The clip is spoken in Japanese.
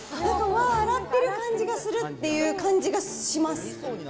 わー、洗ってる感じがするっていう感じがします。